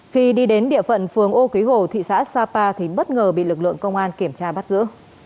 khi đi đến địa phận phường ô quý hồ thị xã sapa thì bất ngờ bị lực lượng công an kiểm tra bắt giữ